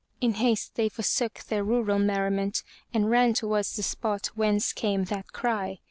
In haste they forsook their rural merriment and ran towards the spot whence came that cry.